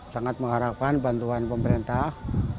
sangat mengharapkan bantuan pemerintah